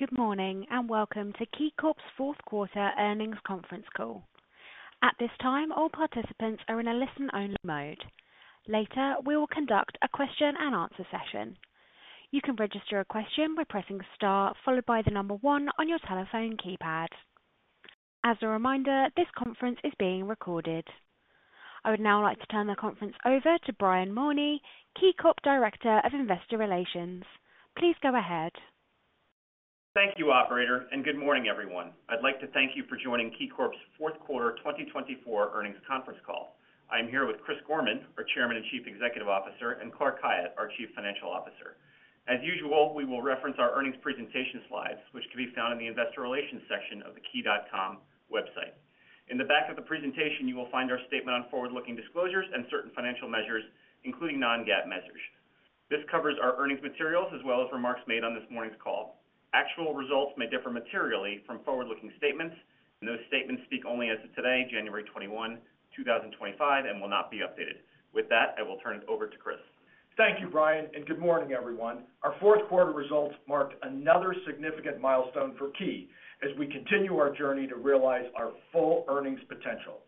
Good morning and welcome to KeyCorp's fourth quarter earnings conference call. At this time, all participants are in a listen-only mode. Later, we will conduct a question-and-answer session. You can register a question by pressing the star followed by the number one on your telephone keypad. As a reminder, this conference is being recorded. I would now like to turn the conference over to Brian Mauney, KeyCorp Director of Investor Relations. Please go ahead. Thank you, operator, and good morning, everyone. I'd like to thank you for joining KeyCorp's fourth quarter 2024 earnings conference call. I am here with Chris Gorman, our Chairman and Chief Executive Officer, and Clark Khayat, our Chief Financial Officer. As usual, we will reference our earnings presentation slides, which can be found in the Investor Relations section of the key.com website. In the back of the presentation, you will find our statement on forward-looking disclosures and certain financial measures, including non-GAAP measures. This covers our earnings materials as well as remarks made on this morning's call. Actual results may differ materially from forward-looking statements, and those statements speak only as of today, January 21, 2025, and will not be updated. With that, I will turn it over to Chris. Thank you, Brian, and good morning, everyone. Our fourth quarter results marked another significant milestone for Key as we continue our journey to realize our full earnings potential.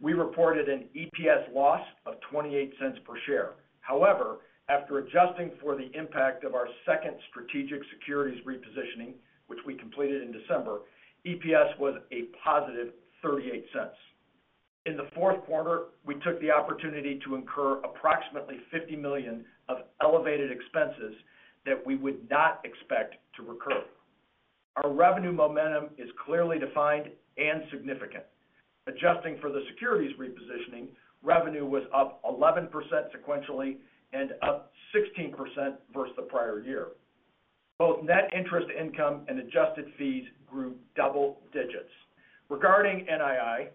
We reported an EPS loss of $0.28 per share. However, after adjusting for the impact of our second strategic securities repositioning, which we completed in December, EPS was a positive $0.38. In the fourth quarter, we took the opportunity to incur approximately $50 million of elevated expenses that we would not expect to recur. Our revenue momentum is clearly defined and significant. Adjusting for the securities repositioning, revenue was up 11% sequentially and up 16% versus the prior year. Both net interest income and adjusted fees grew double digits. Regarding NII,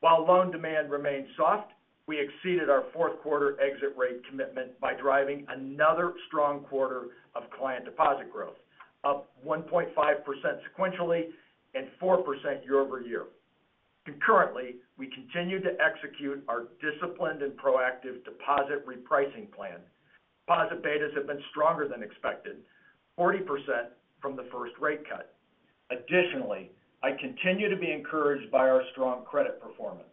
while loan demand remained soft, we exceeded our fourth quarter exit rate commitment by driving another strong quarter of client deposit growth, up 1.5% sequentially and 4% year-over-year. Concurrently, we continue to execute our disciplined and proactive deposit repricing plan. Positive betas have been stronger than expected, 40% from the first rate cut. Additionally, I continue to be encouraged by our strong credit performance.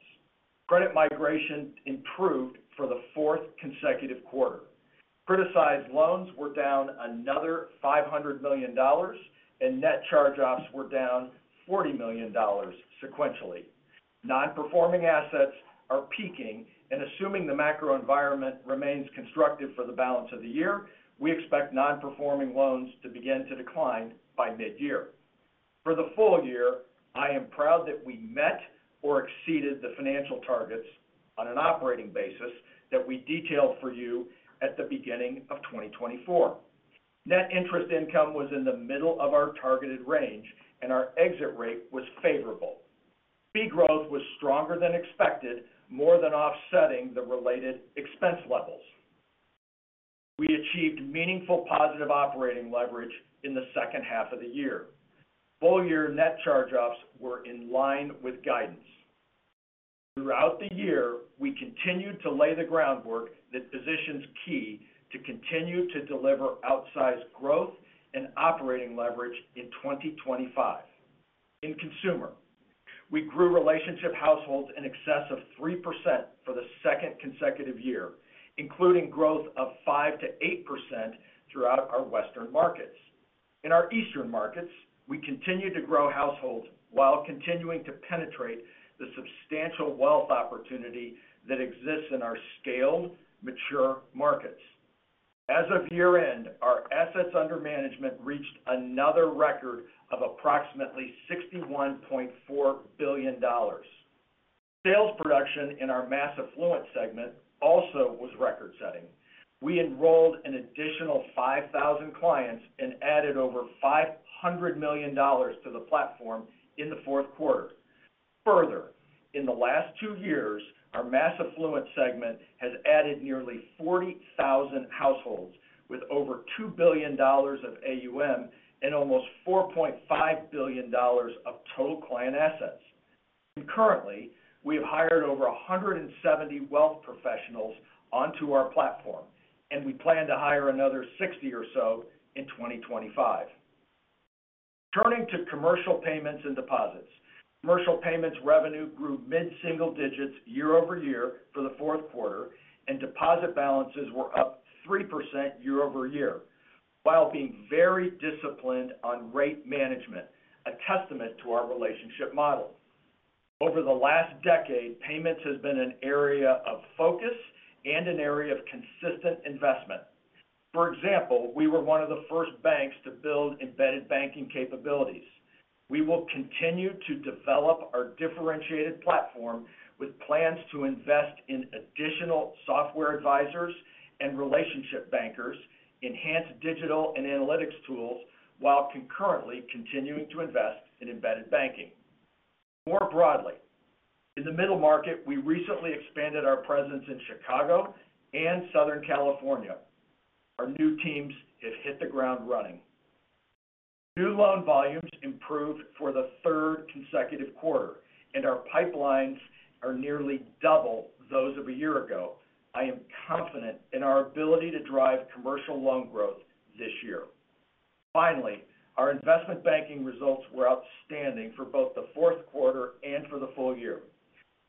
Credit migration improved for the fourth consecutive quarter. Criticized loans were down another $500 million, and net charge-offs were down $40 million sequentially. Non-performing assets are peaking, and assuming the macro environment remains constructive for the balance of the year, we expect non-performing loans to begin to decline by mid-year. For the full year, I am proud that we met or exceeded the financial targets on an operating basis that we detailed for you at the beginning of 2024. Net interest income was in the middle of our targeted range, and our exit rate was favorable. Fee growth was stronger than expected, more than offsetting the related expense levels. We achieved meaningful positive operating leverage in the second half of the year. Full-year net charge-offs were in line with guidance. Throughout the year, we continued to lay the groundwork that positions Key to continue to deliver outsized growth and operating leverage in 2025. In consumer, we grew relationship households in excess of 3% for the second consecutive year, including growth of 5%-8% throughout our Western markets. In our Eastern markets, we continue to grow households while continuing to penetrate the substantial wealth opportunity that exists in our scaled, mature markets. As of year-end, our assets under management reached another record of approximately $61.4 billion. Sales production in our mass affluent segment also was record-setting. We enrolled an additional 5,000 clients and added over $500 million to the platform in the fourth quarter. Further, in the last two years, our mass affluent segment has added nearly 40,000 households with over $2 billion of AUM and almost $4.5 billion of total client assets. Concurrently, we have hired over 170 wealth professionals onto our platform, and we plan to hire another 60 or so in 2025. Turning to commercial payments and deposits, commercial payments revenue grew mid-single digits year-over-year for the fourth quarter, and deposit balances were up 3% year-over-year, while being very disciplined on rate management, a testament to our relationship model. Over the last decade, payments has been an area of focus and an area of consistent investment. For example, we were one of the first banks to build embedded banking capabilities. We will continue to develop our differentiated platform with plans to invest in additional software advisors and relationship bankers, enhanced digital and analytics tools, while concurrently continuing to invest in embedded banking. More broadly, in the middle market, we recently expanded our presence in Chicago and Southern California. Our new teams have hit the ground running. New loan volumes improved for the third consecutive quarter, and our pipelines are nearly double those of a year ago. I am confident in our ability to drive commercial loan growth this year. Finally, our investment banking results were outstanding for both the fourth quarter and for the full year.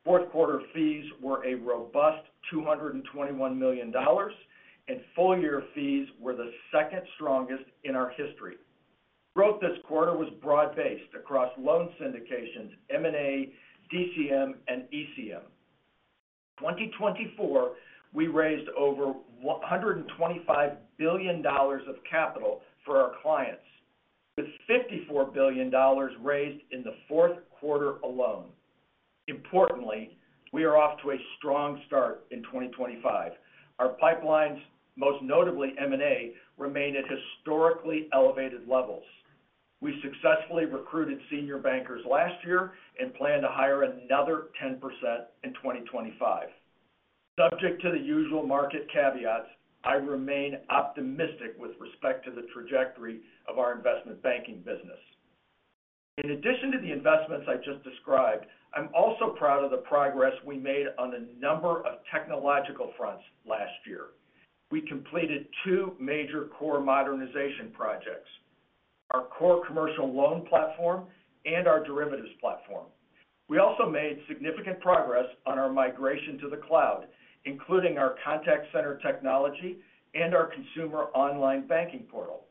Fourth quarter fees were a robust $221 million, and full-year fees were the second strongest in our history. Growth this quarter was broad-based across loan syndications, M&A, DCM, and ECM. In 2024, we raised over $125 billion of capital for our clients, with $54 billion raised in the fourth quarter alone. Importantly, we are off to a strong start in 2025. Our pipelines, most notably M&A, remain at historically elevated levels. We successfully recruited senior bankers last year and plan to hire another 10% in 2025. Subject to the usual market caveats, I remain optimistic with respect to the trajectory of our investment banking business. In addition to the investments I just described, I'm also proud of the progress we made on a number of technological fronts last year. We completed two major core modernization projects: our core commercial loan platform and our derivatives platform. We also made significant progress on our migration to the cloud, including our contact center technology and our consumer online banking portal.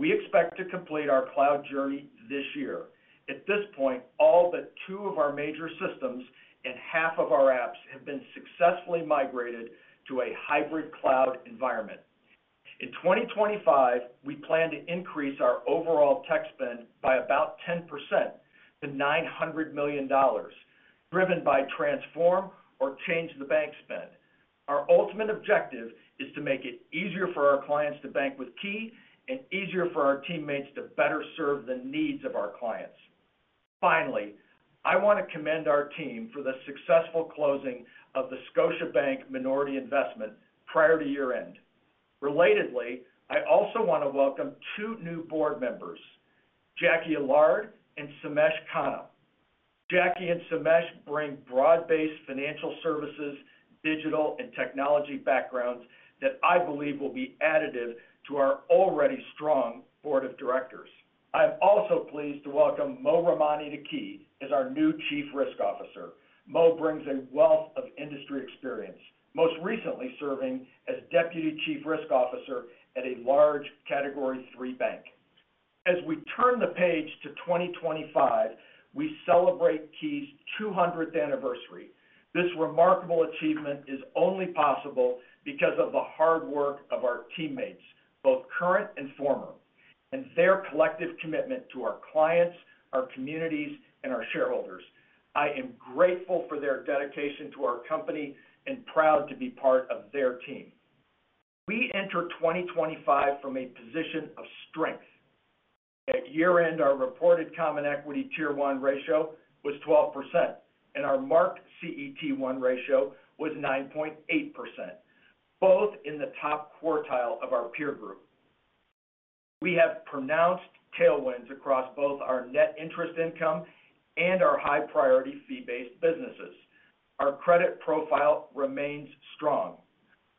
We expect to complete our cloud journey this year. At this point, all but two of our major systems and half of our apps have been successfully migrated to a hybrid cloud environment. In 2025, we plan to increase our overall tech spend by about 10% to $900 million, driven by transform or change the bank spend. Our ultimate objective is to make it easier for our clients to bank with Key and easier for our teammates to better serve the needs of our clients. Finally, I want to commend our team for the successful closing of the Scotiabank minority investment prior to year-end. Relatedly, I also want to welcome two new board members, Jackie Allard and Somesh Khanna. Jackie and Somesh bring broad-based financial services, digital, and technology backgrounds that I believe will be additive to our already strong board of directors. I'm also pleased to welcome Mo Ramani to Key as our new Chief Risk Officer. Mo brings a wealth of industry experience, most recently serving as Deputy Chief Risk Officer at a large Category 3 Bank. As we turn the page to 2025, we celebrate Key's 200th anniversary. This remarkable achievement is only possible because of the hard work of our teammates, both current and former, and their collective commitment to our clients, our communities, and our shareholders. I am grateful for their dedication to our company and proud to be part of their team. We enter 2025 from a position of strength. At year-end, our reported Common Equity Tier 1 ratio was 12%, and our marked CET1 ratio was 9.8%, both in the top quartile of our peer group. We have pronounced tailwinds across both our net interest income and our high-priority fee-based businesses. Our credit profile remains strong.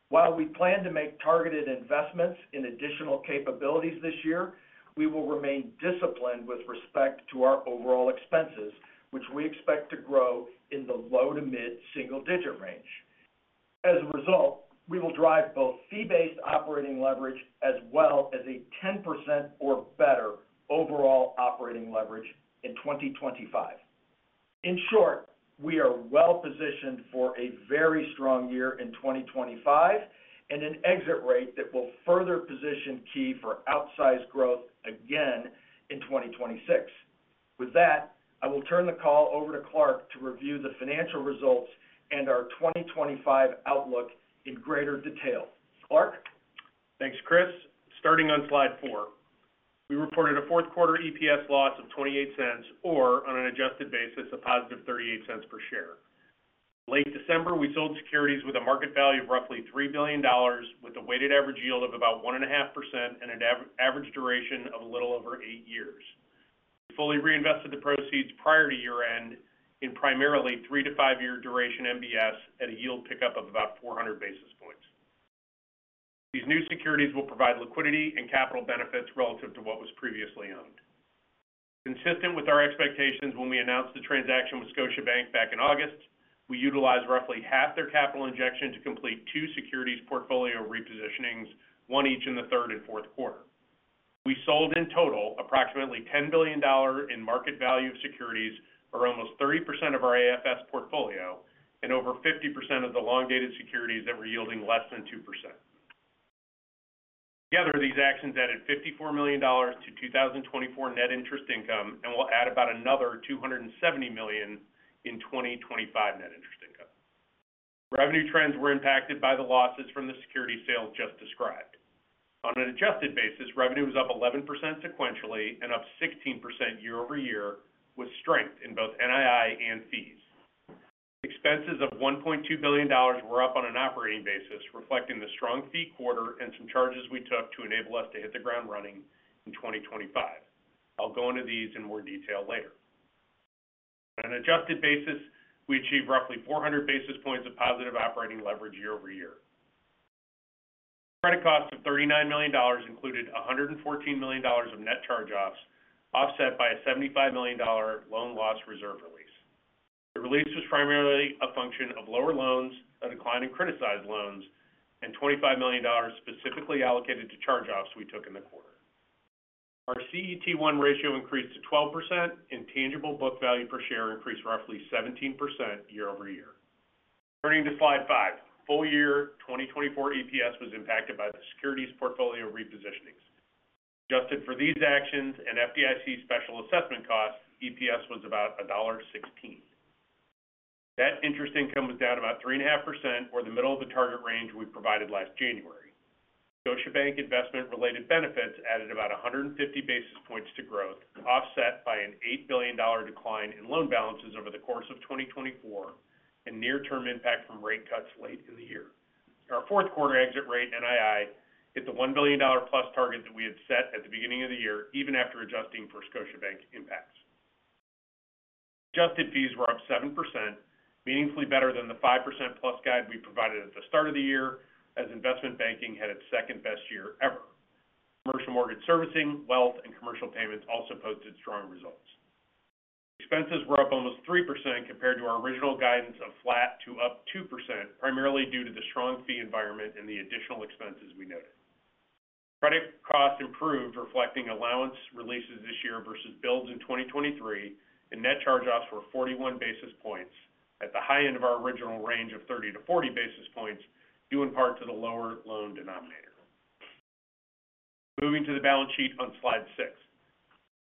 While we plan to make targeted investments in additional capabilities this year, we will remain disciplined with respect to our overall expenses, which we expect to grow in the low to mid-single digit range. As a result, we will drive both fee-based operating leverage as well as a 10% or better overall operating leverage in 2025. In short, we are well-positioned for a very strong year in 2025 and an exit rate that will further position Key for outsized growth again in 2026. With that, I will turn the call over to Clark to review the financial results and our 2025 outlook in greater detail. Clark? Thanks, Chris. Starting on slide four, we reported a fourth quarter EPS loss of $0.28 or, on an adjusted basis, a positive $0.38 per share. Late December, we sold securities with a market value of roughly $3 billion, with a weighted average yield of about 1.5% and an average duration of a little over eight years. We fully reinvested the proceeds prior to year-end in primarily three to five-year duration MBS at a yield pickup of about 400 basis points. These new securities will provide liquidity and capital benefits relative to what was previously owned. Consistent with our expectations when we announced the transaction with Scotiabank back in August, we utilized roughly half their capital injection to complete two securities portfolio repositionings, one each in the third and fourth quarter. We sold in total approximately $10 billion in market value of securities, or almost 30% of our AFS portfolio, and over 50% of the long-dated securities that were yielding less than 2%. Together, these actions added $54 million to 2024 net interest income and will add about another $270 million in 2025 net interest income. Revenue trends were impacted by the losses from the security sales just described. On an adjusted basis, revenue was up 11% sequentially and up 16% year-over-year, with strength in both NII and fees. Expenses of $1.2 billion were up on an operating basis, reflecting the strong fee quarter and some charges we took to enable us to hit the ground running in 2025. I'll go into these in more detail later. On an adjusted basis, we achieved roughly 400 basis points of positive operating leverage year-over-year. Credit costs of $39 million included $114 million of net charge-offs, offset by a $75 million loan loss reserve release. The release was primarily a function of lower loans, a decline in criticized loans, and $25 million specifically allocated to charge-offs we took in the quarter. Our CET1 ratio increased to 12%, and tangible book value per share increased roughly 17% year-over-year. Turning to slide five, full-year 2024 EPS was impacted by the securities portfolio repositionings. Adjusted for these actions and FDIC special assessment costs, EPS was about $1.16. Net interest income was down about 3.5%, or the middle of the target range we provided last January. Scotiabank investment-related benefits added about 150 basis points to growth, offset by an $8 billion decline in loan balances over the course of 2024 and near-term impact from rate cuts late in the year. Our fourth quarter exit rate, NII, hit the $1 billion plus target that we had set at the beginning of the year, even after adjusting for Scotiabank impacts. Adjusted fees were up 7%, meaningfully better than the 5% plus guide we provided at the start of the year, as investment banking had its second best year ever. Commercial mortgage servicing, wealth, and commercial payments also posted strong results. Expenses were up almost 3% compared to our original guidance of flat to up 2%, primarily due to the strong fee environment and the additional expenses we noted. Credit costs improved, reflecting allowance releases this year versus builds in 2023, and net charge-offs were 41 basis points at the high end of our original range of 30 to 40 basis points, due in part to the lower loan denominator. Moving to the balance sheet on slide six,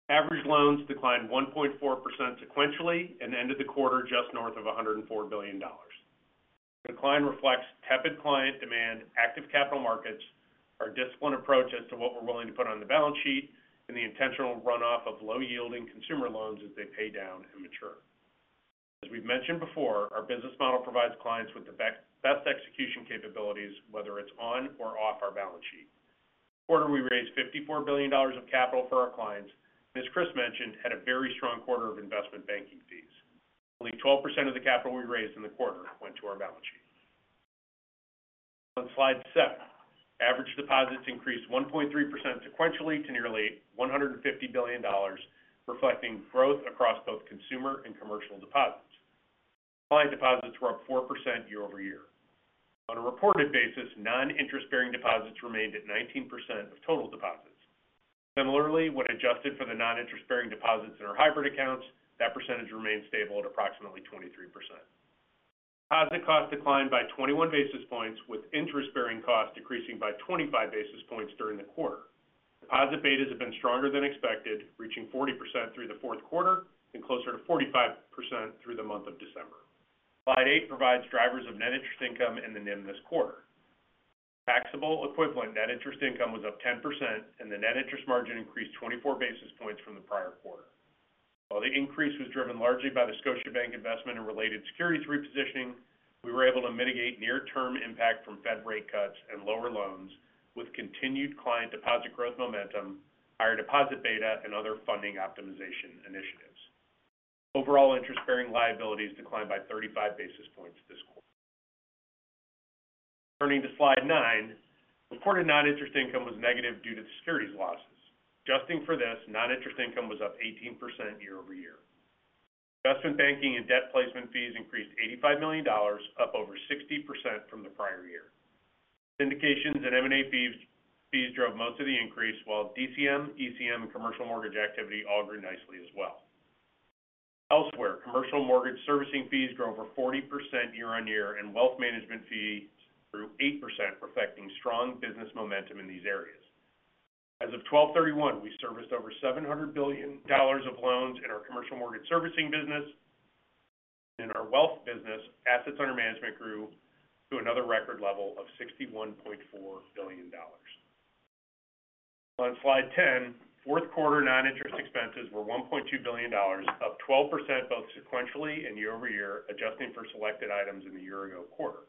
average loans declined 1.4% sequentially and ended the quarter just north of $104 billion. The decline reflects tepid client demand, active capital markets, our disciplined approach as to what we're willing to put on the balance sheet, and the intentional runoff of low-yielding consumer loans as they pay down and mature. As we've mentioned before, our business model provides clients with the best execution capabilities, whether it's on or off our balance sheet. Quarter, we raised $54 billion of capital for our clients. As Chris mentioned, had a very strong quarter of investment banking fees. Only 12% of the capital we raised in the quarter went to our balance sheet. On slide seven, average deposits increased 1.3% sequentially to nearly $150 billion, reflecting growth across both consumer and commercial deposits. Client deposits were up 4% year-over-year. On a reported basis, non-interest-bearing deposits remained at 19% of total deposits. Similarly, when adjusted for the non-interest-bearing deposits in our hybrid accounts, that percentage remained stable at approximately 23%. Deposit costs declined by 21 basis points, with interest-bearing costs decreasing by 25 basis points during the quarter. Deposit betas have been stronger than expected, reaching 40% through the fourth quarter and closer to 45% through the month of December. Slide eight provides drivers of net interest income in the NIM this quarter. Taxable equivalent net interest income was up 10%, and the net interest margin increased 24 basis points from the prior quarter. While the increase was driven largely by the Scotiabank investment and related securities repositioning, we were able to mitigate near-term impact from Fed rate cuts and lower loans with continued client deposit growth momentum, higher deposit beta, and other funding optimization initiatives. Overall interest-bearing liabilities declined by 35 basis points this quarter. Turning to slide nine, reported non-interest income was negative due to the securities losses. Adjusting for this, non-interest income was up 18% year-over-year. Investment banking and debt placement fees increased $85 million, up over 60% from the prior year. Syndications and M&A fees drove most of the increase, while DCM, ECM, and commercial mortgage activity all grew nicely as well. Elsewhere, commercial mortgage servicing fees grew over 40% year-on-year, and wealth management fees grew 8%, reflecting strong business momentum in these areas. As of 12/31, we serviced over $700 billion of loans in our commercial mortgage servicing business. In our wealth business, assets under management grew to another record level of $61.4 billion. On slide 10, fourth quarter non-interest expenses were $1.2 billion, up 12% both sequentially and year-over-year, adjusting for selected items in the year-ago quarter.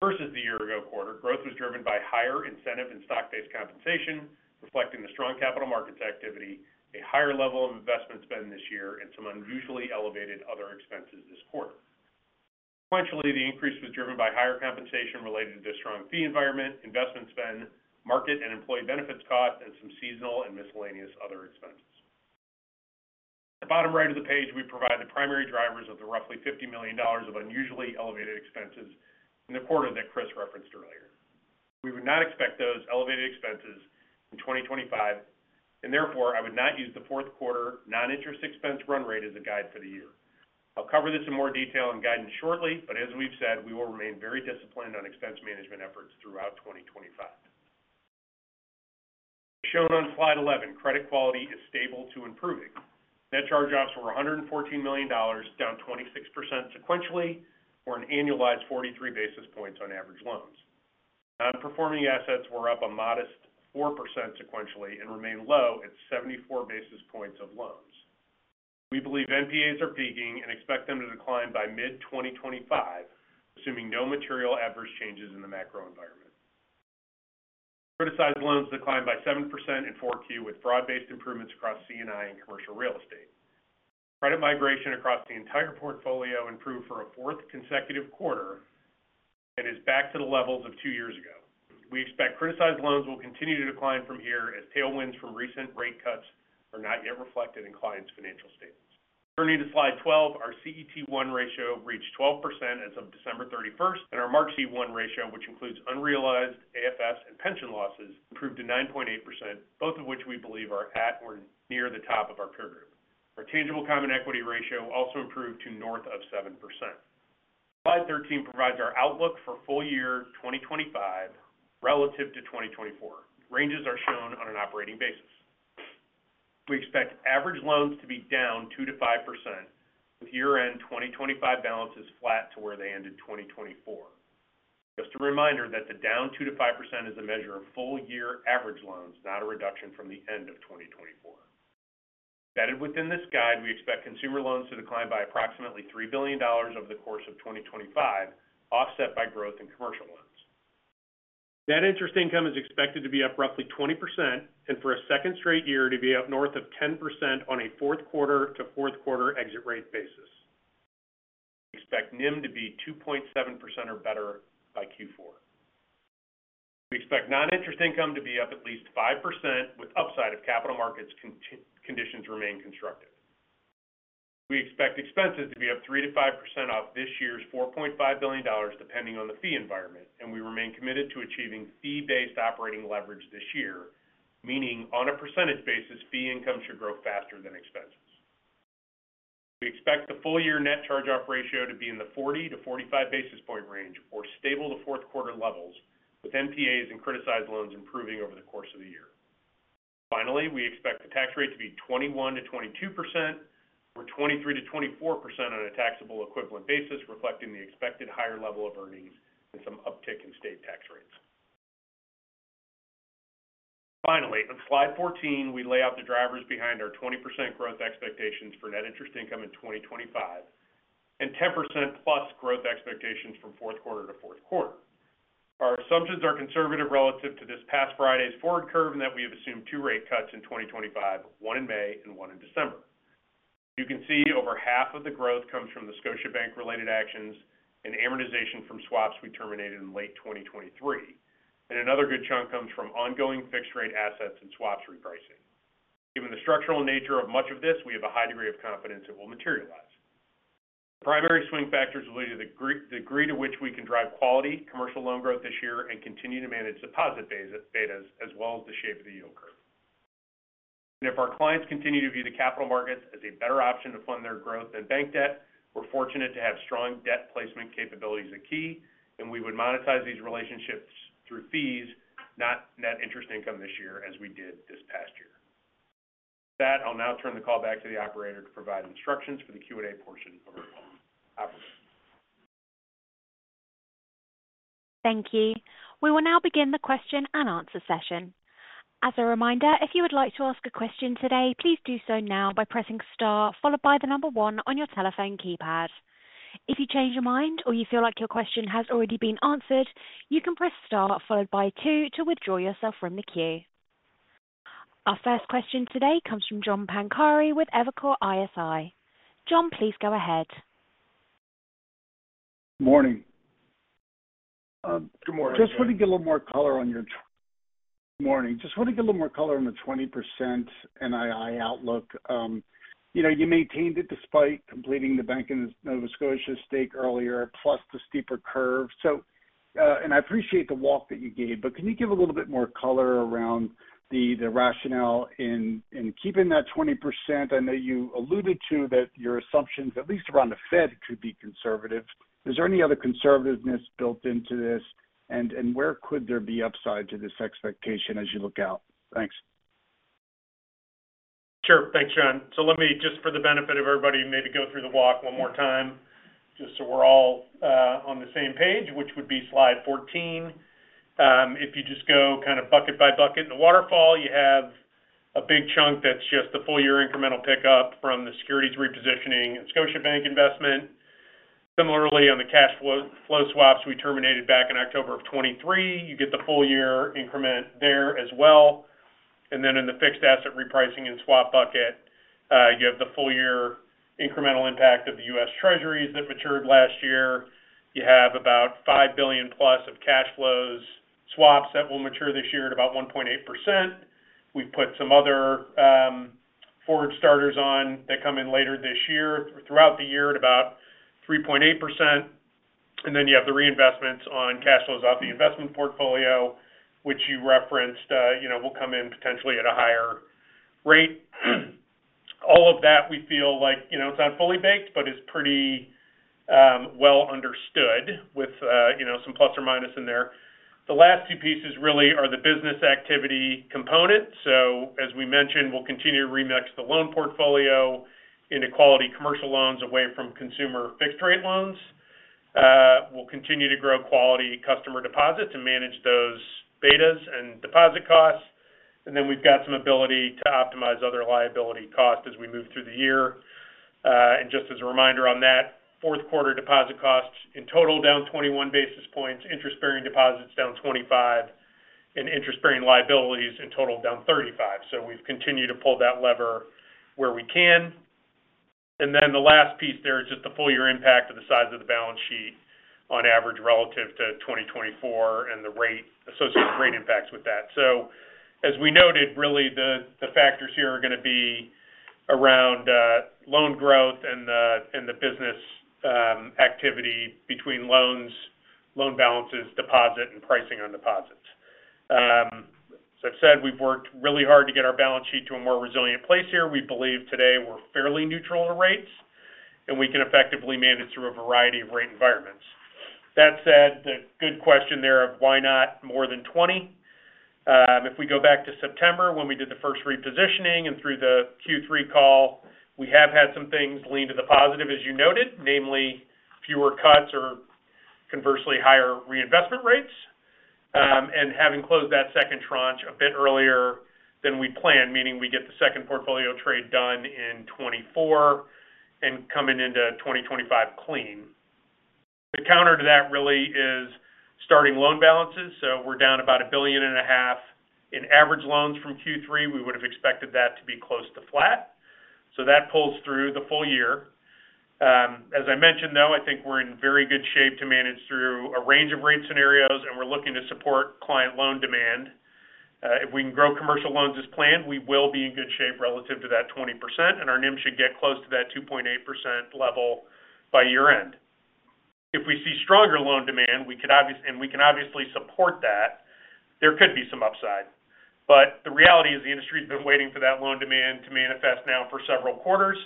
Versus the year-ago quarter, growth was driven by higher incentive and stock-based compensation, reflecting the strong capital markets activity, a higher level of investment spend this year, and some unusually elevated other expenses this quarter. Sequentially, the increase was driven by higher compensation related to the strong fee environment, investment spend, market and employee benefits costs, and some seasonal and miscellaneous other expenses. At the bottom right of the page, we provide the primary drivers of the roughly $50 million of unusually elevated expenses in the quarter that Chris referenced earlier. We would not expect those elevated expenses in 2025, and therefore, I would not use the fourth quarter non-interest expense run rate as a guide for the year. I'll cover this in more detail in guidance shortly, but as we've said, we will remain very disciplined on expense management efforts throughout 2025. As shown on slide 11, credit quality is stable to improving. Net charge-offs were $114 million, down 26% sequentially, or an annualized 43 basis points on average loans. Non-performing assets were up a modest 4% sequentially and remained low at 74 basis points of loans. We believe NPAs are peaking and expect them to decline by mid-2025, assuming no material adverse changes in the macro environment. Criticized loans declined by 7% in 4Q with broad-based improvements across C&I and commercial real estate. Credit migration across the entire portfolio improved for a fourth consecutive quarter and is back to the levels of two years ago. We expect criticized loans will continue to decline from here as tailwinds from recent rate cuts are not yet reflected in clients' financial statements. Turning to slide 12, our CET1 ratio reached 12% as of December 31st, and our Marked CET1 ratio, which includes unrealized AFS and pension losses, improved to 9.8%, both of which we believe are at or near the top of our peer group. Our tangible common equity ratio also improved to north of 7%. Slide 13 provides our outlook for full year 2025 relative to 2024. Ranges are shown on an operating basis. We expect average loans to be down 2%-5%, with year-end 2025 balances flat to where they ended 2024. Just a reminder that the down 2%-5% is a measure of full-year average loans, not a reduction from the end of 2024. Embedded within this guide, we expect consumer loans to decline by approximately $3 billion over the course of 2025, offset by growth in commercial loans. Net interest income is expected to be up roughly 20% and for a second straight year to be up north of 10% on a fourth quarter to fourth quarter exit rate basis. We expect NIM to be 2.7% or better by Q4. We expect non-interest income to be up at least 5% with upside if capital markets conditions remain constructive. We expect expenses to be up 3%-5% off this year's $4.5 billion, depending on the fee environment, and we remain committed to achieving fee-based operating leverage this year, meaning on a percentage basis, fee income should grow faster than expenses. We expect the full-year net charge-off ratio to be in the 40 to 45 basis point range or stable to fourth quarter levels, with NPAs and criticized loans improving over the course of the year. Finally, we expect the tax rate to be 21%-22% or 23%-24% on a taxable equivalent basis, reflecting the expected higher level of earnings and some uptick in state tax rates. Finally, on slide 14, we lay out the drivers behind our 20% growth expectations for net interest income in 2025 and 10% plus growth expectations from fourth quarter to fourth quarter. Our assumptions are conservative relative to this past Friday's forward curve in that we have assumed two rate cuts in 2025, one in May and one in December. You can see over half of the growth comes from the Scotiabank-related actions and amortization from swaps we terminated in late 2023. Another good chunk comes from ongoing fixed-rate assets and swaps repricing. Given the structural nature of much of this, we have a high degree of confidence it will materialize. The primary swing factors will be the degree to which we can drive quality commercial loan growth this year and continue to manage deposit betas as well as the shape of the yield curve. If our clients continue to view the capital markets as a better option to fund their growth than bank debt, we're fortunate to have strong debt placement capabilities at Key, and we would monetize these relationships through fees, not net interest income this year as we did this past year. With that, I'll now turn the call back to the operator to provide instructions for the Q&A portion of our call. Thank you. We will now begin the question and answer session. As a reminder, if you would like to ask a question today, please do so now by pressing star, followed by the number one on your telephone keypad. If you change your mind or you feel like your question has already been answered, you can press star, followed by two, to withdraw yourself from the queue. Our first question today comes from John Pancari with Evercore ISI. John, please go ahead. Good morning. Good morning. Just want to get a little more color on the 20% NII outlook. You maintained it despite completing the Bank of Nova Scotia stake earlier, plus the steeper curve. And I appreciate the walk that you gave, but can you give a little bit more color around the rationale in keeping that 20%? I know you alluded to that your assumptions, at least around the Fed, could be conservative. Is there any other conservativeness built into this, and where could there be upside to this expectation as you look out? Thanks. Sure. Thanks, John. So let me, just for the benefit of everybody, maybe go through the walk one more time just so we're all on the same page, which would be slide 14. If you just go kind of bucket by bucket in the waterfall, you have a big chunk that's just the full-year incremental pickup from the securities repositioning and Scotiabank investment. Similarly, on the cash flow swaps we terminated back in October of 2023, you get the full-year increment there as well. And then in the fixed asset repricing and swap bucket, you have the full-year incremental impact of the U.S. Treasuries that matured last year. You have about $5 billion-plus of cash flow swaps that will mature this year at about 1.8%. We've put some other forward starters on that come in later this year throughout the year at about 3.8%. And then you have the reinvestments on cash flows off the investment portfolio, which you referenced will come in potentially at a higher rate. All of that, we feel like it's not fully baked, but it's pretty well understood with some plus or minus in there. The last two pieces really are the business activity component. So as we mentioned, we'll continue to remix the loan portfolio into quality commercial loans away from consumer fixed-rate loans. We'll continue to grow quality customer deposits and manage those betas and deposit costs. We've got some ability to optimize other liability costs as we move through the year. Just as a reminder on that, fourth quarter deposit costs in total down 21 basis points, interest-bearing deposits down 25, and interest-bearing liabilities in total down 35. We've continued to pull that lever where we can. The last piece there is just the full-year impact of the size of the balance sheet on average relative to 2024 and the associated rate impacts with that. As we noted, really, the factors here are going to be around loan growth and the business activity between loans, loan balances, deposit, and pricing on deposits. As I've said, we've worked really hard to get our balance sheet to a more resilient place here. We believe today we're fairly neutral to rates, and we can effectively manage through a variety of rate environments. That said, the good question there of why not more than 20? If we go back to September when we did the first repositioning and through the Q3 call, we have had some things lean to the positive, as you noted, namely fewer cuts or conversely higher reinvestment rates. And having closed that second tranche a bit earlier than we planned, meaning we get the second portfolio trade done in 2024 and coming into 2025 clean. The counter to that really is starting loan balances. So we're down about $1.5 billion in average loans from Q3. We would have expected that to be close to flat. So that pulls through the full year. As I mentioned, though, I think we're in very good shape to manage through a range of rate scenarios, and we're looking to support client loan demand. If we can grow commercial loans as planned, we will be in good shape relative to that 20%, and our NIM should get close to that 2.8% level by year-end. If we see stronger loan demand, we could obviously, and we can obviously support that, there could be some upside, but the reality is the industry has been waiting for that loan demand to manifest now for several quarters,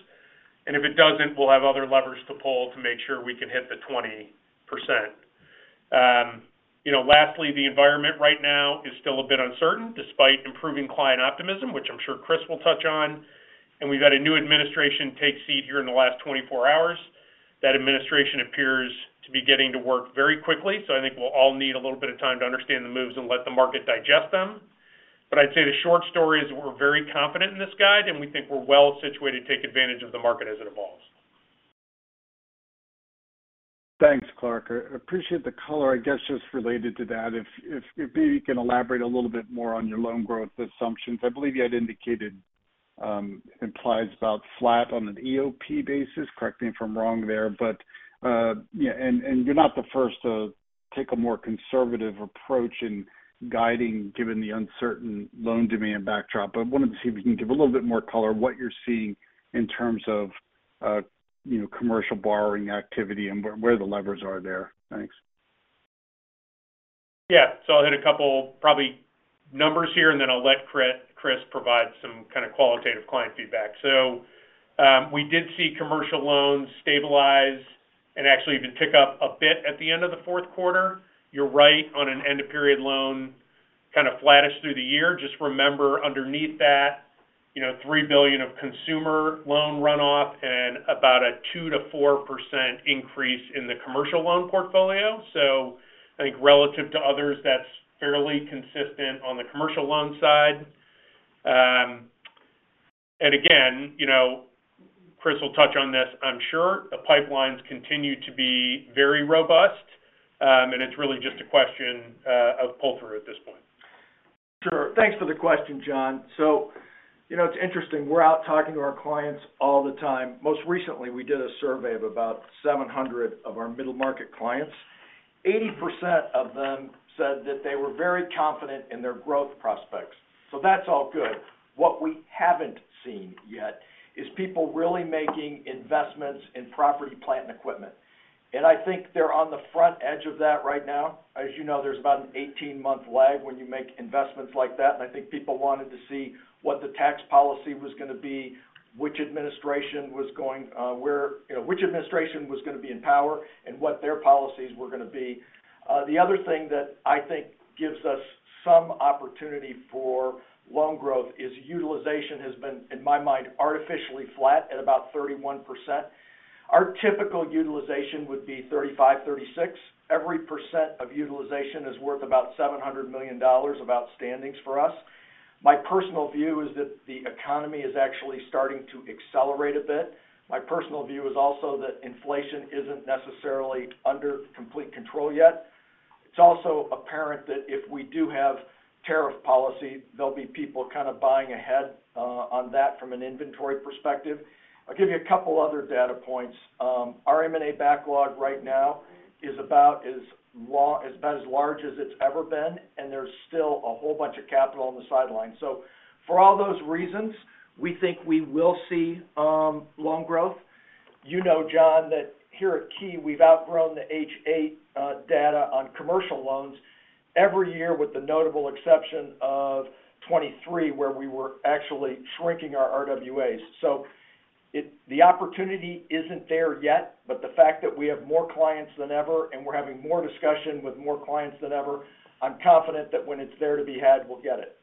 and if it doesn't, we'll have other levers to pull to make sure we can hit the 20%. Lastly, the environment right now is still a bit uncertain despite improving client optimism, which I'm sure Chris will touch on, and we've had a new administration take seat here in the last 24 hours. That administration appears to be getting to work very quickly. So I think we'll all need a little bit of time to understand the moves and let the market digest them. But I'd say the short story is we're very confident in this guide, and we think we're well situated to take advantage of the market as it evolves. Thanks, Clark. I appreciate the color. I guess just related to that, if maybe you can elaborate a little bit more on your loan growth assumptions. I believe you had indicated implies about flat on an EOP basis. Correct me if I'm wrong there, but yeah, and you're not the first to take a more conservative approach in guiding given the uncertain loan demand backdrop. I wanted to see if you can give a little bit more color what you're seeing in terms of commercial borrowing activity and where the levers are there? Thanks. Yeah. So I'll hit a couple probably numbers here, and then I'll let Chris provide some kind of qualitative client feedback. So we did see commercial loans stabilize and actually even pick up a bit at the end of the fourth quarter. You're right on an end-of-period loan kind of flattish through the year. Just remember underneath that, $3 billion of consumer loan runoff and about a 2%-4% increase in the commercial loan portfolio. So I think relative to others, that's fairly consistent on the commercial loan side. And again, Chris will touch on this, I'm sure. The pipelines continue to be very robust, and it's really just a question of pull-through at this point. Sure. Thanks for the question, John. So it's interesting. We're out talking to our clients all the time. Most recently, we did a survey of about 700 of our middle-market clients. 80% of them said that they were very confident in their growth prospects. So that's all good. What we haven't seen yet is people really making investments in property, plant, and equipment. And I think they're on the front edge of that right now. As you know, there's about an 18-month lag when you make investments like that. And I think people wanted to see what the tax policy was going to be, which administration was going to be in power and what their policies were going to be. The other thing that I think gives us some opportunity for loan growth is utilization has been, in my mind, artificially flat at about 31%. Our typical utilization would be 35%-36%. Every 1% of utilization is worth about $700 million of outstandings for us. My personal view is that the economy is actually starting to accelerate a bit. My personal view is also that inflation isn't necessarily under complete control yet. It's also apparent that if we do have tariff policy, there'll be people kind of buying ahead on that from an inventory perspective. I'll give you a couple other data points. Our M&A backlog right now is about as large as it's ever been, and there's still a whole bunch of capital on the sideline. So for all those reasons, we think we will see loan growth. You know, John, that here at Key, we've outgrown the H.8 data on commercial loans every year with the notable exception of 2023, where we were actually shrinking our RWAs. So the opportunity isn't there yet, but the fact that we have more clients than ever and we're having more discussion with more clients than ever, I'm confident that when it's there to be had, we'll get it.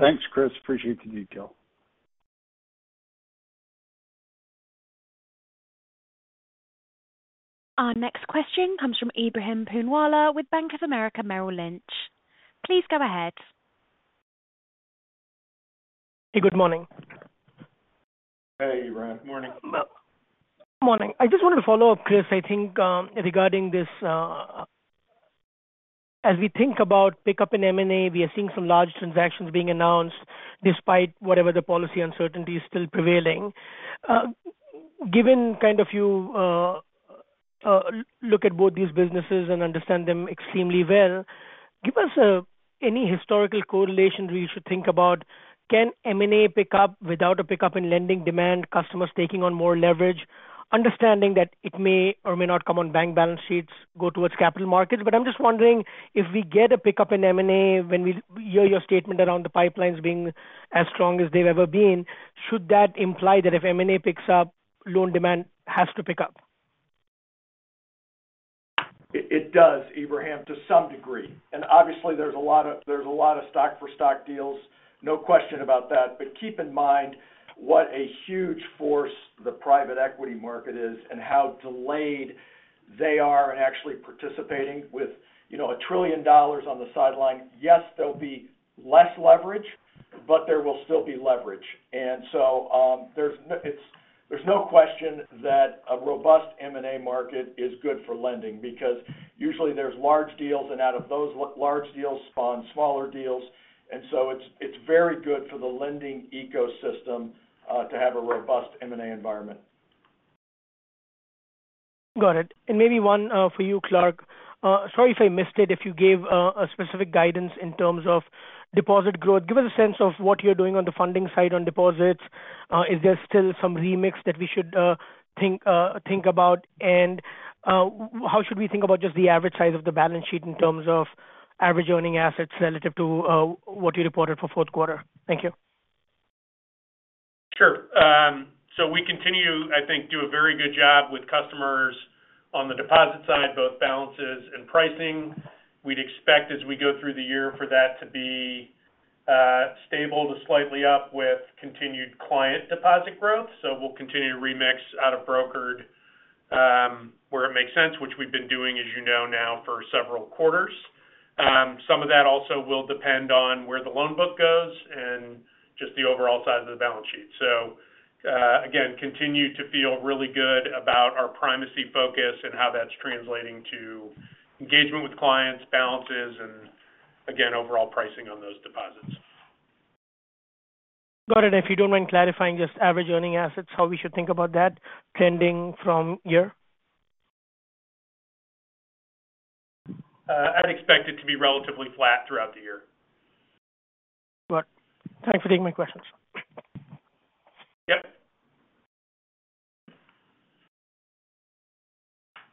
Thanks, Chris. Appreciate the detail. Our next question comes from Ebrahim Poonawala with Bank of America Merrill Lynch. Please go ahead. Hey, good morning. Hey, Ebrahim. Good morning. Good morning. I just wanted to follow up, Chris. I think regarding this, as we think about pickup and M&A, we are seeing some large transactions being announced despite whatever the policy uncertainty is still prevailing. Given kind of you look at both these businesses and understand them extremely well, give us any historical correlation we should think about. Can M&A pick up without a pickup in lending demand, customers taking on more leverage, understanding that it may or may not come on bank balance sheets, go towards capital markets? But I'm just wondering if we get a pickup in M&A when we hear your statement around the pipelines being as strong as they've ever been, should that imply that if M&A picks up, loan demand has to pick up? It does, Ebrahim, to some degree. And obviously, there's a lot of stock-for-stock deals, no question about that. But keep in mind what a huge force the private equity market is and how delayed they are in actually participating with a trillion dollars on the sideline. Yes, there'll be less leverage, but there will still be leverage. And so there's no question that a robust M&A market is good for lending because usually there's large deals, and out of those large deals spawn smaller deals. And so it's very good for the lending ecosystem to have a robust M&A environment. Got it. And maybe one for you, Clark. Sorry if I missed it. If you gave a specific guidance in terms of deposit growth, give us a sense of what you're doing on the funding side on deposits. Is there still some remix that we should think about? And how should we think about just the average size of the balance sheet in terms of average earning assets relative to what you reported for fourth quarter? Thank you. Sure. So we continue, I think, to do a very good job with customers on the deposit side, both balances and pricing. We'd expect as we go through the year for that to be stable to slightly up with continued client deposit growth. So we'll continue to remix out of brokered where it makes sense, which we've been doing, as you know, now for several quarters. Some of that also will depend on where the loan book goes and just the overall size of the balance sheet. So again, continue to feel really good about our primary focus and how that's translating to engagement with clients, balances, and again, overall pricing on those deposits. Got it. And if you don't mind clarifying just average earning assets, how we should think about that trending from year? I'd expect it to be relatively flat throughout the year. Got it. Thanks for taking my questions. Yep.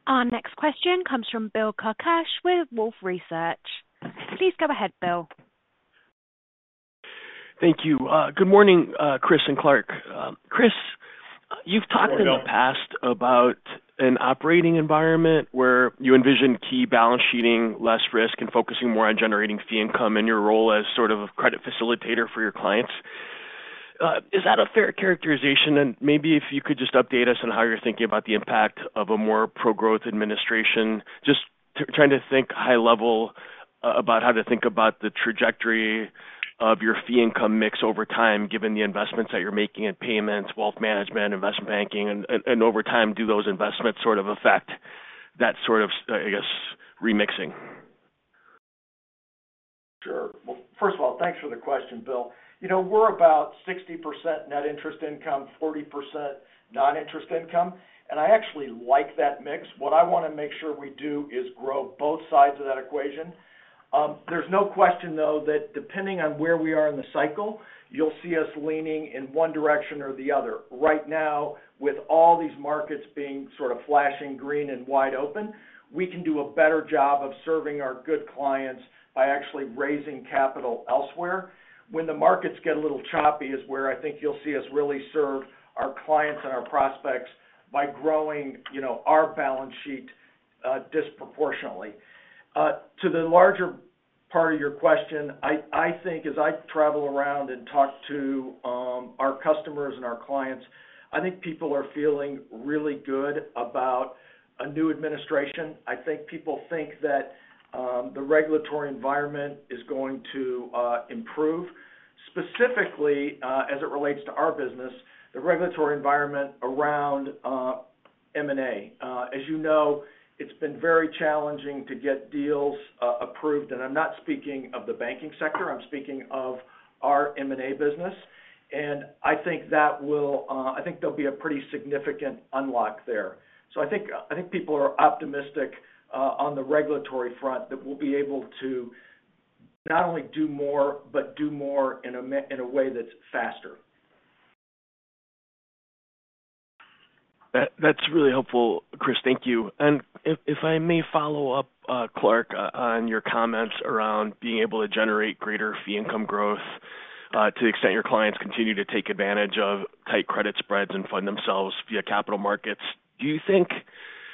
Our next question comes from Bill Carcache with Wolfe Research. Please go ahead, Bill. Thank you. Good morning, Chris and Clark. Chris, you've talked in the past about an operating environment where you envision Key balance sheet, less risk, and focusing more on generating fee income and your role as sort of a credit facilitator for your clients. Is that a fair characterization? And maybe if you could just update us on how you're thinking about the impact of a more pro-growth administration, just trying to think high level about how to think about the trajectory of your fee income mix over time, given the investments that you're making in payments, wealth management, investment banking, and over time, do those investments sort of affect that sort of, I guess, remixing? Sure. Well, first of all, thanks for the question, Bill. We're about 60% net interest income, 40% non-interest income. And I actually like that mix. What I want to make sure we do is grow both sides of that equation. There's no question, though, that depending on where we are in the cycle, you'll see us leaning in one direction or the other. Right now, with all these markets being sort of flashing green and wide open, we can do a better job of serving our good clients by actually raising capital elsewhere. When the markets get a little choppy is where I think you'll see us really serve our clients and our prospects by growing our balance sheet disproportionately. To the larger part of your question, I think as I travel around and talk to our customers and our clients, I think people are feeling really good about a new administration. I think people think that the regulatory environment is going to improve. Specifically, as it relates to our business, the regulatory environment around M&A. As you know, it's been very challenging to get deals approved. And I'm not speaking of the banking sector. I'm speaking of our M&A business. And I think that will, I think there'll be a pretty significant unlock there. So I think people are optimistic on the regulatory front that we'll be able to not only do more, but do more in a way that's faster. That's really helpful, Chris. Thank you. If I may follow up, Clark, on your comments around being able to generate greater fee income growth to the extent your clients continue to take advantage of tight credit spreads and fund themselves via capital markets, do you think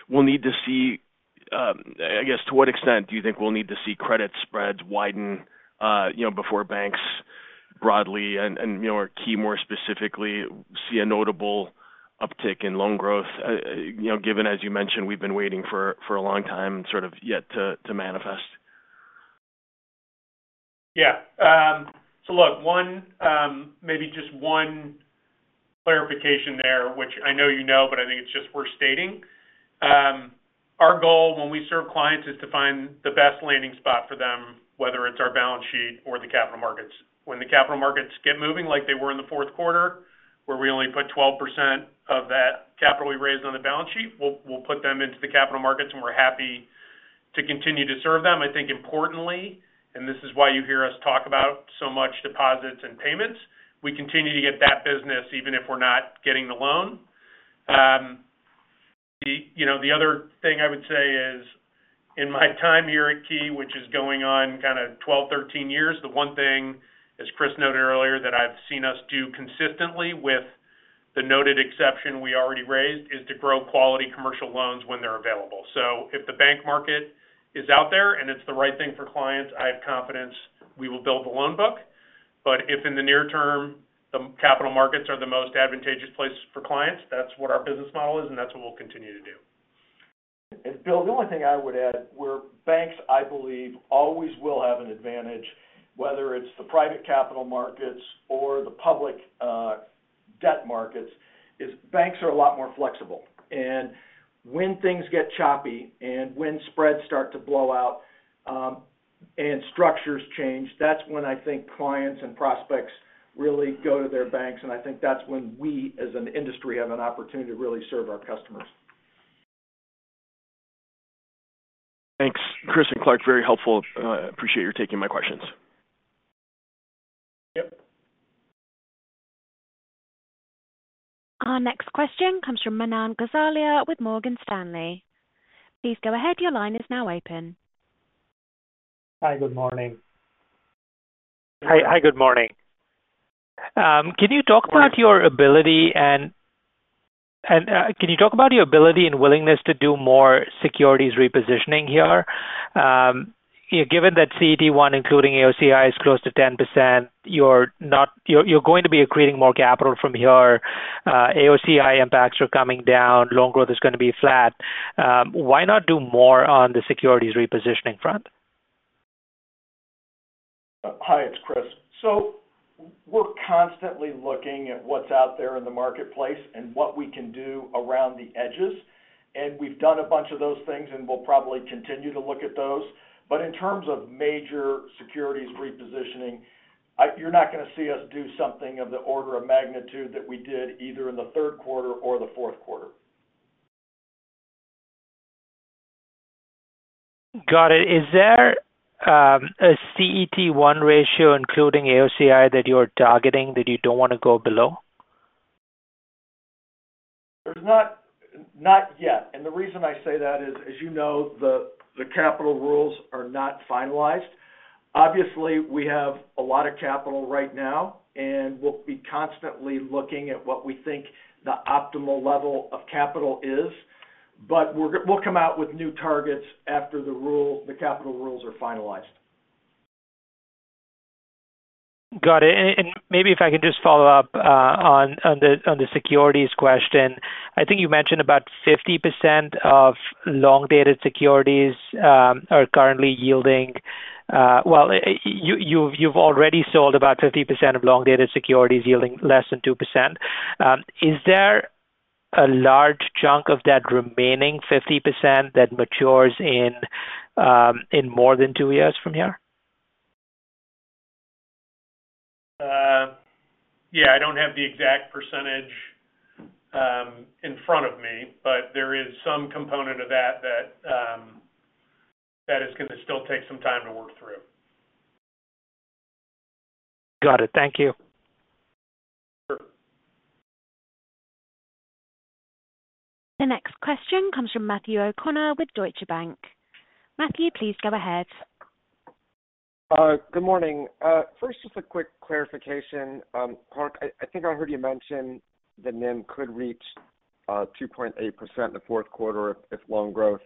we'll need to see, I guess, to what extent do you think we'll need to see credit spreads widen before banks broadly and Key more specifically see a notable uptick in loan growth, given, as you mentioned, we've been waiting for a long time sort of yet to manifest? Yeah. Look, maybe just one clarification there, which I know you know, but I think it's just worth stating. Our goal when we serve clients is to find the best landing spot for them, whether it's our balance sheet or the capital markets. When the capital markets get moving like they were in the fourth quarter, where we only put 12% of that capital we raised on the balance sheet, we'll put them into the capital markets, and we're happy to continue to serve them. I think importantly, and this is why you hear us talk about so much deposits and payments, we continue to get that business even if we're not getting the loan. The other thing I would say is in my time here at Key, which is going on kind of 12, 13 years, the one thing, as Chris noted earlier, that I've seen us do consistently with the noted exception we already raised is to grow quality commercial loans when they're available. So if the bank market is out there and it's the right thing for clients, I have confidence we will build the loan book. But if in the near term the capital markets are the most advantageous place for clients, that's what our business model is, and that's what we'll continue to do. And Bill, the only thing I would add, where banks, I believe, always will have an advantage, whether it's the private capital markets or the public debt markets, is banks are a lot more flexible. And when things get choppy and when spreads start to blow out and structures change, that's when I think clients and prospects really go to their banks. And I think that's when we, as an industry, have an opportunity to really serve our customers. Thanks, Chris and Clark. Very helpful. Appreciate your taking my questions. Our next question comes from Manan Gosalia with Morgan Stanley. Please go ahead. Your line is now open. Hi. Good morning. Hi. Hi. Good morning. Can you talk about your ability and willingness to do more securities repositioning here? Given that CET1, including AOCI, is close to 10%, you're going to be accreting more capital from here. AOCI impacts are coming down. Loan growth is going to be flat. Why not do more on the securities repositioning front? Hi. It's Chris. So we're constantly looking at what's out there in the marketplace and what we can do around the edges. And we've done a bunch of those things, and we'll probably continue to look at those. But in terms of major securities repositioning, you're not going to see us do something of the order of magnitude that we did either in the third quarter or the fourth quarter. Got it. Is there a CET1 ratio, including AOCI, that you're targeting that you don't want to go below? There's not yet, and the reason I say that is, as you know, the capital rules are not finalized. Obviously, we have a lot of capital right now, and we'll be constantly looking at what we think the optimal level of capital is, but we'll come out with new targets after the capital rules are finalized. Got it, and maybe if I can just follow up on the securities question. I think you mentioned about 50% of long-dated securities are currently yielding. Well, you've already sold about 50% of long-dated securities yielding less than 2%. Is there a large chunk of that remaining 50% that matures in more than two years from here? Yeah. I don't have the exact percentage in front of me, but there is some component of that that is going to still take some time to work through. Got it. Thank you. Sure. The next question comes from Matthew O'Connor with Deutsche Bank. Matthew, please go ahead. Good morning. First, just a quick clarification. Clark, I think I heard you mention the NIM could reach 2.8% in the fourth quarter if loan growth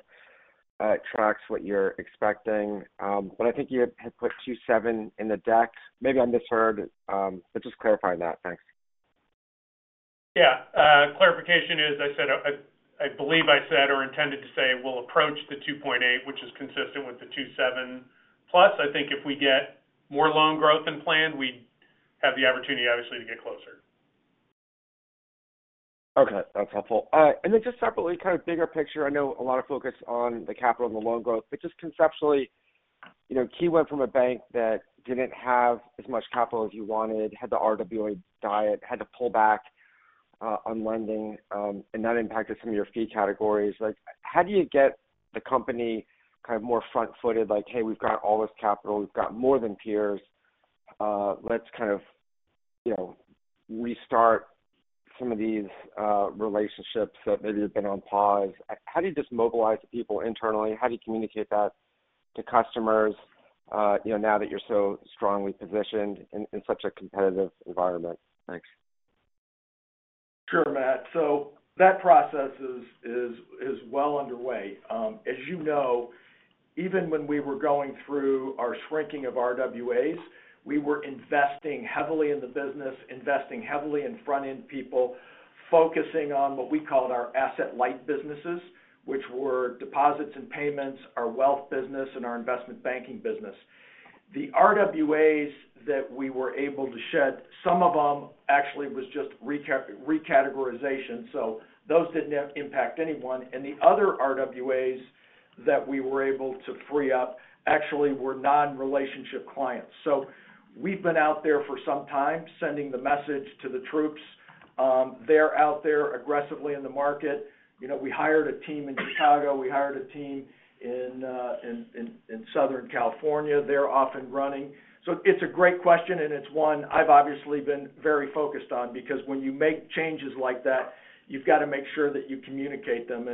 tracks what you're expecting. But I think you had put 2.7% in the deck. Maybe I misheard, but just clarifying that. Thanks. Yeah. Clarification is, I believe I said or intended to say we'll approach the 2.8%, which is consistent with the 2.7% plus. I think if we get more loan growth than planned, we have the opportunity, obviously, to get closer. Okay. That's helpful. And then just separately, kind of bigger picture, I know a lot of focus on the capital and the loan growth, but just conceptually, Key went from a bank that didn't have as much capital as you wanted, had the RWA diet, had to pull back on lending, and that impacted some of your fee categories. How do you get the company kind of more front-footed like, "Hey, we've got all this capital. We've got more than peers. Let's kind of restart some of these relationships that maybe have been on pause"? How do you just mobilize the people internally? How do you communicate that to customers now that you're so strongly positioned in such a competitive environment? Thanks. Sure, Matt. So that process is well underway. As you know, even when we were going through our shrinking of RWAs, we were investing heavily in the business, investing heavily in front-end people, focusing on what we called our asset light businesses, which were deposits and payments, our wealth business, and our investment banking business. The RWAs that we were able to shed, some of them actually was just recategorization. So those didn't impact anyone, and the other RWAs that we were able to free up actually were non-relationship clients. So we've been out there for some time sending the message to the troops. They're out there aggressively in the market. We hired a team in Chicago. We hired a team in Southern California. They're off and running, it's a great question, and it's one I've obviously been very focused on because when you make changes like that, you've got to make sure that you communicate them.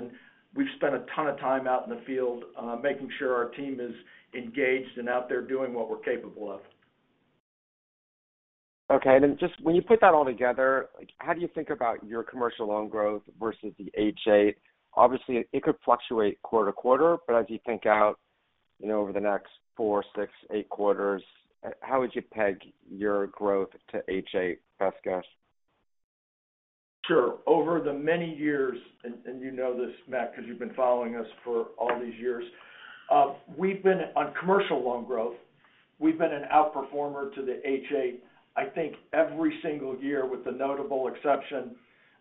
We've spent a ton of time out in the field making sure our team is engaged and out there doing what we're capable of. Okay. Just when you put that all together, how do you think about your commercial loan growth versus the H.8? Obviously, it could fluctuate quarter to quarter, but as you think out over the next four, six, eight quarters, how would you peg your growth to H.8 best guess? Sure. Over the many years, and you know this, Matt, because you've been following us for all these years, we've been on commercial loan growth. We've been an outperformer to the H.8, I think every single year with the notable exception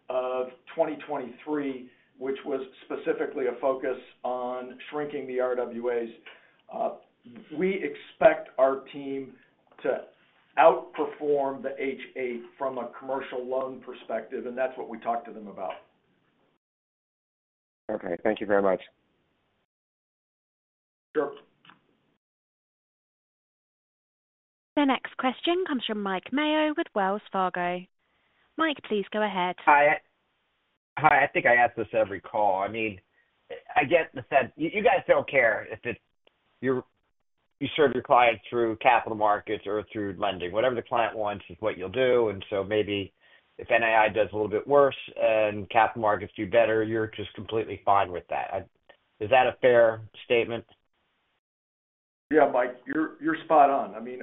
of 2023, which was specifically a focus on shrinking the RWAs. We expect our team to outperform the H.8 from a commercial loan perspective, and that's what we talk to them about. Okay. Thank you very much. Sure. The next question comes from Mike Mayo with Wells Fargo. Mike, please go ahead. Hi. Hi. I think I ask this every call. I mean, I get the sense you guys don't care if you serve your clients through capital markets or through lending. Whatever the client wants is what you'll do. And so maybe if NII does a little bit worse and capital markets do better, you're just completely fine with that. Is that a fair statement? Yeah, Mike, you're spot on. I mean,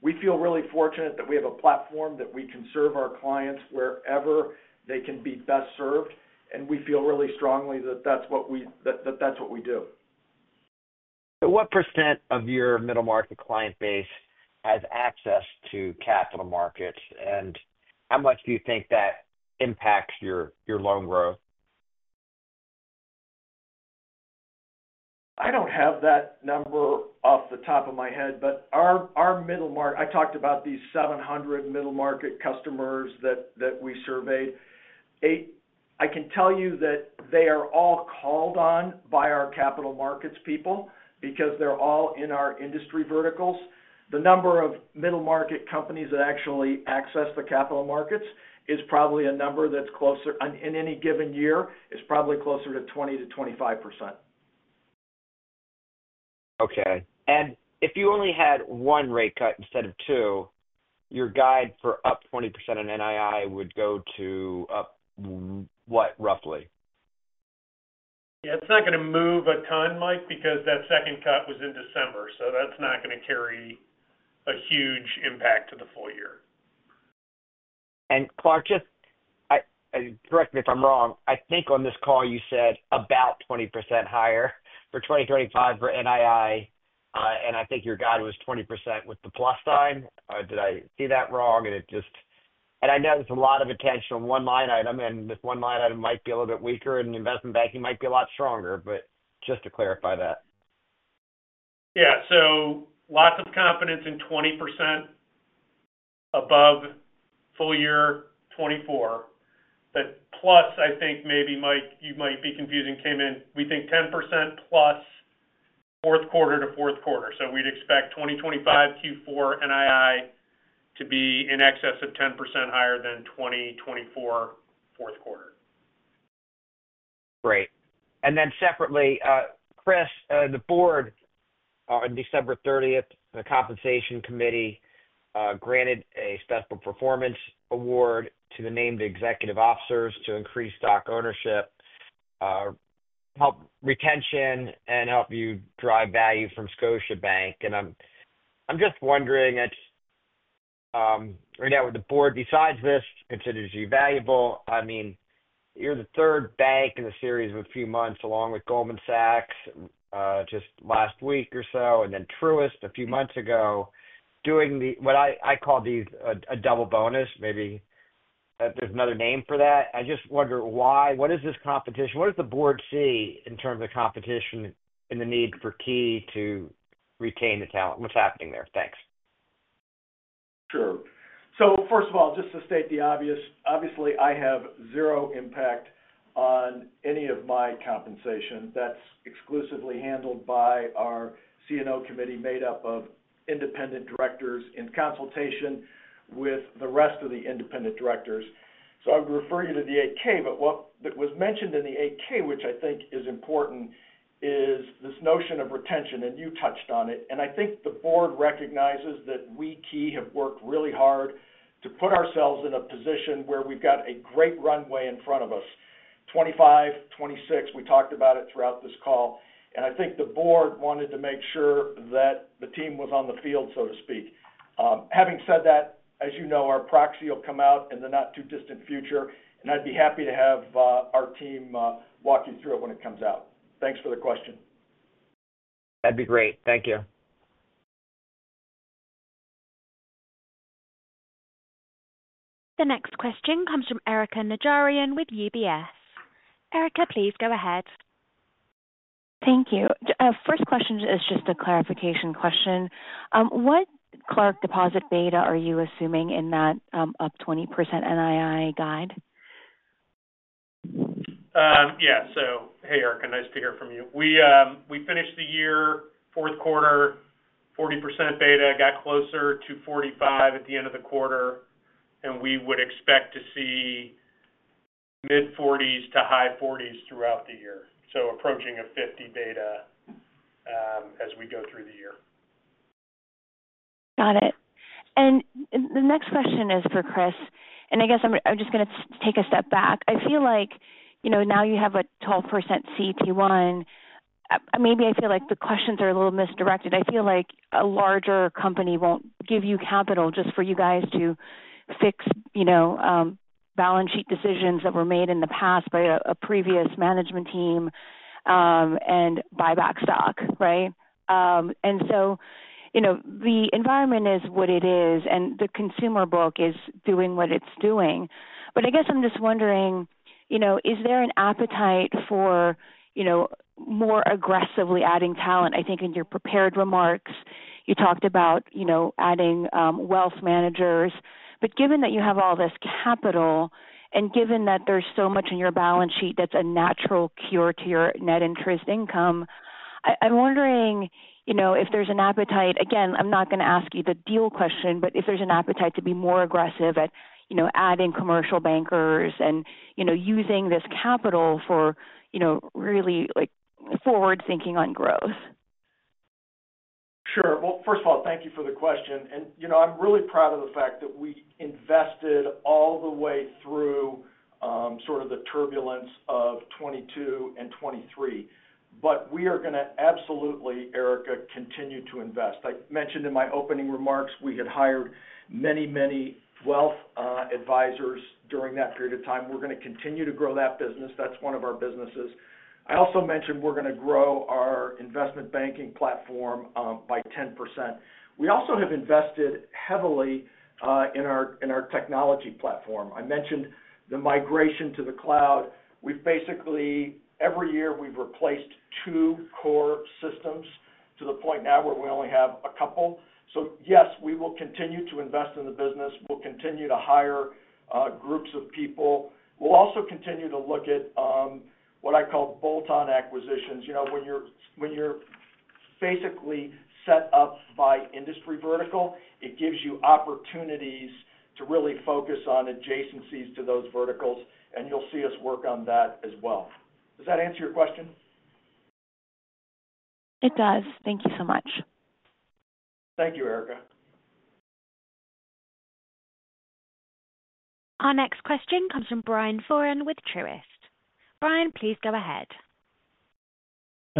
we feel really fortunate that we have a platform that we can serve our clients wherever they can be best served. And we feel really strongly that that's what we do. What percent of your middle market client base has access to capital markets? And how much do you think that impacts your loan growth? I don't have that number off the top of my head, but our middle market, I talked about these 700 middle market customers that we surveyed. I can tell you that they are all called on by our capital markets people because they're all in our industry verticals. The number of middle market companies that actually access the capital markets is probably closer to 20%-25% in any given year. Okay. And if you only had one rate cut instead of two, your guide for up 20% on NII would go to up what, roughly? Yeah. It's not going to move a ton, Mike, because that second cut was in December. So that's not going to carry a huge impact to the full year. And Clark, just correct me if I'm wrong. I think on this call you said about 20% higher for 2025 for NII, and I think your guide was 20% with the plus sign. Did I see that wrong? I know there's a lot of attention on one line item, and this one line item might be a little bit weaker, and investment banking might be a lot stronger. But just to clarify that. Yeah. So lots of confidence in 20% above full year 2024. But plus, I think maybe you might be confusing came in. We think 10%+ fourth quarter to fourth quarter. So we'd expect 2025 Q4 NII to be in excess of 10% higher than 2024 fourth quarter. Great. And then separately, Chris, the board on December 30th, the Compensation Committee granted a special performance award to the named executive officers to increase stock ownership, help retention, and help you drive value from Scotiabank. I'm just wondering right now with the board, besides this, consider you valuable. I mean, you're the third bank in a series of a few months along with Goldman Sachs just last week or so, and then Truist a few months ago doing what I call a double bonus. Maybe there's another name for that. I just wonder why. What is this competition? What does the board see in terms of competition and the need for Key to retain the talent? What's happening there? Thanks. Sure. So first of all, just to state the obvious, obviously, I have zero impact on any of my compensation. That's exclusively handled by our C&O Committee made up of independent directors in consultation with the rest of the independent directors. I would refer you to the 8-K, but what was mentioned in the 8-K, which I think is important, is this notion of retention. And you touched on it. And I think the board recognizes that we at Key have worked really hard to put ourselves in a position where we've got a great runway in front of us, 2025, 2026. We talked about it throughout this call. And I think the board wanted to make sure that the team was on the field, so to speak. Having said that, as you know, our proxy will come out in the not-too-distant future, and I'd be happy to have our team walk you through it when it comes out. Thanks for the question. That'd be great. Thank you. The next question comes from Erika Najarian with UBS. Erika, please go ahead. Thank you. First question is just a clarification question. What, Clark, deposit beta are you assuming in that up 20% NII guide? Yeah. So hey, Erika, nice to hear from you. We finished the year, fourth quarter, 40% beta, got closer to 45% at the end of the quarter, and we would expect to see mid 40s to high 40s throughout the year. So approaching a 50% beta as we go through the year. Got it. The next question is for Chris. I guess I'm just going to take a step back. I feel like now you have a 12% CET1. Maybe I feel like the questions are a little misdirected. I feel like a larger company won't give you capital just for you guys to fix balance sheet decisions that were made in the past by a previous management team and buy back stock, right? And so the environment is what it is, and the consumer book is doing what it's doing. But I guess I'm just wondering, is there an appetite for more aggressively adding talent? I think in your prepared remarks, you talked about adding wealth managers. But given that you have all this capital and given that there's so much in your balance sheet that's a natural cure to your net interest income, I'm wondering if there's an appetite, again, I'm not going to ask you the deal question, but if there's an appetite to be more aggressive at adding commercial bankers and using this capital for really forward-thinking on growth. Sure. Well, first of all, thank you for the question. And I'm really proud of the fact that we invested all the way through sort of the turbulence of 2022 and 2023. But we are going to absolutely, Erika, continue to invest. I mentioned in my opening remarks we had hired many, many wealth advisors during that period of time. We're going to continue to grow that business. That's one of our businesses. I also mentioned we're going to grow our investment banking platform by 10%. We also have invested heavily in our technology platform. I mentioned the migration to the cloud. Every year, we've replaced two core systems to the point now where we only have a couple. So yes, we will continue to invest in the business. We'll continue to hire groups of people. We'll also continue to look at what I call bolt-on acquisitions. When you're basically set up by industry vertical, it gives you opportunities to really focus on adjacencies to those verticals, and you'll see us work on that as well. Does that answer your question? It does. Thank you so much. Thank you, Erika. Our next question comes from Brian Foran with Truist. Brian, please go ahead.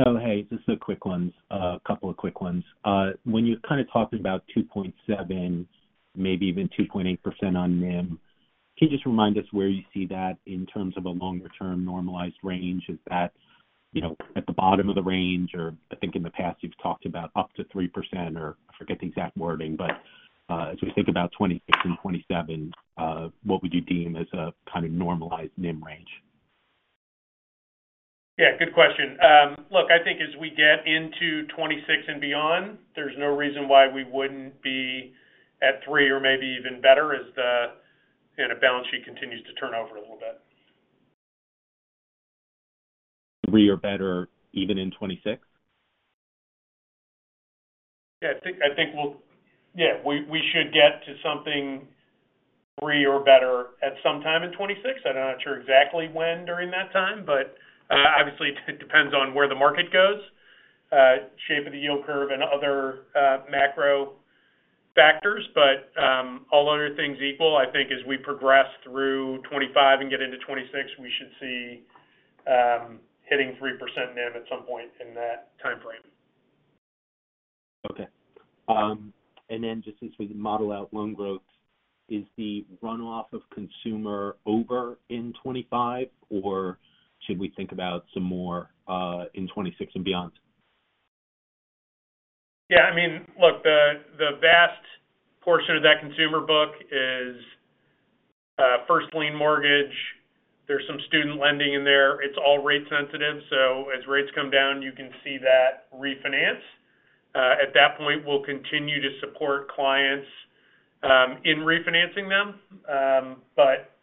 Oh, hey, just a couple of quick ones. When you're kind of talking about 2.7%, maybe even 2.8% on NIM, can you just remind us where you see that in terms of a longer-term normalized range? Is that at the bottom of the range? Or I think in the past you've talked about up to 3% or I forget the exact wording. But as we think about 2026 and 2027, what would you deem as a kind of normalized NIM range? Yeah. Good question. Look, I think as we get into 2026 and beyond, there's no reason why we wouldn't be at 3% or maybe even better as the balance sheet continues to turn over a little bit. 3% or better even in 2026? Yeah. I think we'll, yeah, we should get to something 3% or better at some time in 2026. I'm not sure exactly when during that time, but obviously, it depends on where the market goes, shape of the yield curve, and other macro factors. But all other things equal, I think as we progress through 2025 and get into 2026, we should see hitting 3% NIM at some point in that time frame. Okay. And then just as we model out loan growth, is the runoff of consumer over in 2025, or should we think about some more in 2026 and beyond? Yeah. I mean, look, the vast portion of that consumer book is first lien mortgage. There's some student lending in there. It's all rate-sensitive. So as rates come down, you can see that refinance. At that point, we'll continue to support clients in refinancing them. But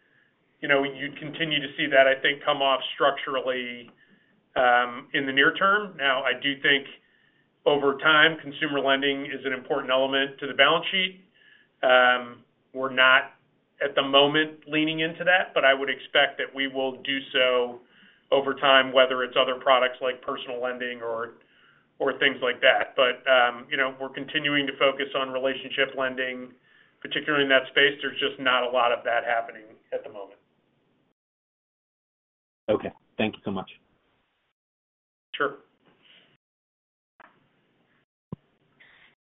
you'd continue to see that, I think, come off structurally in the near term. Now, I do think over time, consumer lending is an important element to the balance sheet. We're not at the moment leaning into that, but I would expect that we will do so over time, whether it's other products like personal lending or things like that. But we're continuing to focus on relationship lending, particularly in that space. There's just not a lot of that happening at the moment. Okay. Thank you so much. Sure.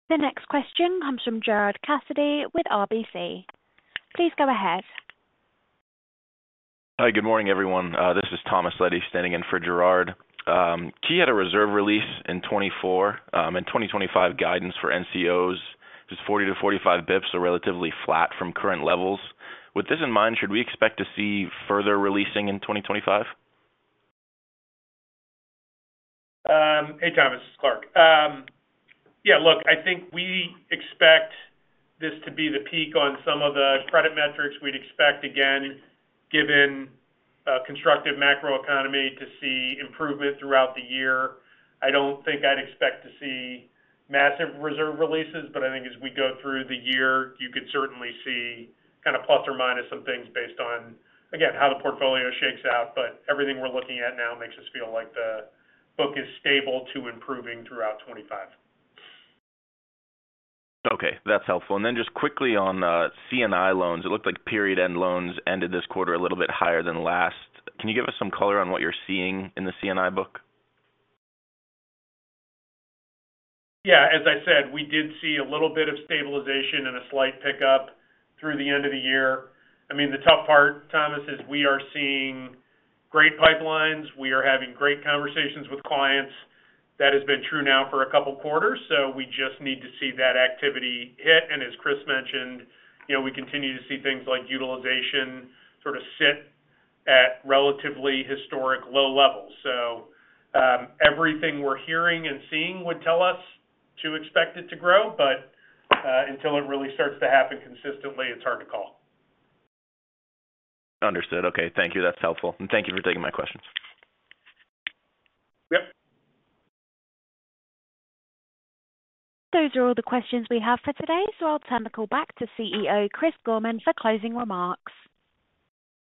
The next question comes from Gerard Cassidy with RBC. Please go ahead. Hi. Good morning, everyone. This is Thomas Leddy standing in for Gerard. Key had a reserve release in 2024 and 2025 guidance for NCOs. It's 40-45 basis points or relatively flat from current levels. With this in mind, should we expect to see further releasing in 2025? Hey, Thomas. This is Clark. Yeah. Look, I think we expect this to be the peak on some of the credit metrics. We'd expect, again, given constructive macroeconomy, to see improvement throughout the year. I don't think I'd expect to see massive reserve releases, but I think as we go through the year, you could certainly see kind of plus or minus some things based on, again, how the portfolio shakes out. But everything we're looking at now makes us feel like the book is stable to improving throughout 2025. Okay. That's helpful. And then just quickly on C&I loans, it looked like period-end loans ended this quarter a little bit higher than last. Can you give us some color on what you're seeing in the C&I book? Yeah. As I said, we did see a little bit of stabilization and a slight pickup through the end of the year. I mean, the tough part, Thomas, is we are seeing great pipelines. We are having great conversations with clients. That has been true now for a couple of quarters. So we just need to see that activity hit. And as Chris mentioned, we continue to see things like utilization sort of sit at relatively historic low levels. So everything we're hearing and seeing would tell us to expect it to grow. But until it really starts to happen consistently, it's hard to call. Understood. Okay. Thank you. That's helpful. And thank you for taking my questions. Those are all the questions we have for today. So I'll turn the call back to CEO Chris Gorman for closing remarks.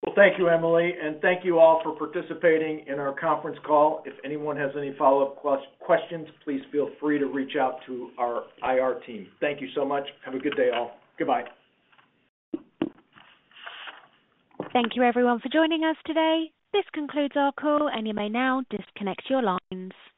Well, thank you, Emily. And thank you all for participating in our conference call. If anyone has any follow-up questions, please feel free to reach out to our IR team. Thank you so much. Have a good day, all. Goodbye. Thank you, everyone, for joining us today. This concludes our call, and you may now disconnect your lines.